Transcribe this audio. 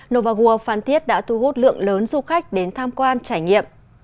novagua phan thiết đã thu hút lượng lớn du khách đến tham quan trải nghiệm